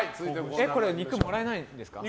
肉もらえないんですか？